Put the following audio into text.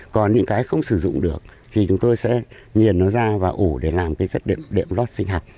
còn những cái không sử dụng được thì chúng tôi sẽ nhiền nó ra và ủ để làm đệm lót sinh học